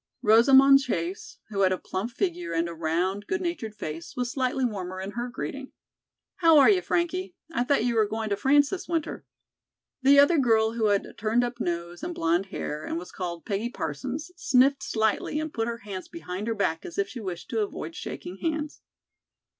Rosamond Chase, who had a plump figure and a round, good natured face, was slightly warmer in her greeting. "How are you, Frankie? I thought you were going to France this winter." The other girl who had a turned up nose and blonde hair, and was called "Peggy Parsons," sniffed slightly and put her hands behind her back as if she wished to avoid shaking hands.